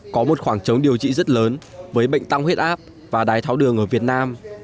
có một khoảng trống điều trị rất lớn với bệnh tăng huyết áp và đái tháo đường ở việt nam